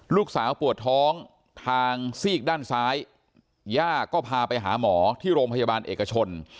ลูกสาวปวดท้องทางซีกด้านซ้ายย่าก็พาไปหาหมอที่โรงพยาบาลเอกชน